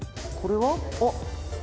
これは？あっ！